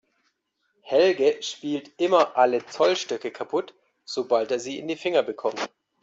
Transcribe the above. Helge spielt immer alle Zollstöcke kaputt, sobald er sie in die Finger bekommt.